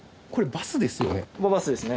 バスですね。